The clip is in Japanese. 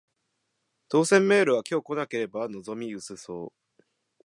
当せんメールは今日来なければ望み薄そう